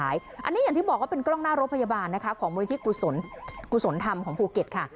อันนี้อย่างที่บอกว่าเป็นกล้องหน้ารถพยาบาลนะคะของมูลนิธิกุศลธรรมของภูเก็ตค่ะ